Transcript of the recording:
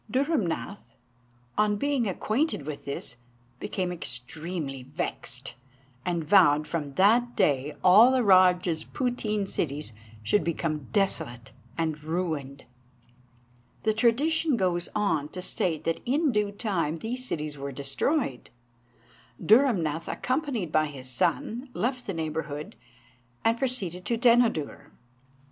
Dhurrumnath, on being acquainted with this, became extremely vexed, and vowed that from that day all the rajah's putteen cities should become desolate and ruined. The tradition goes on to state that in due time these cities were destroyed; Dhurrumnath, accompanied by his son, left the neighbourhood, and proceeded to Denodur.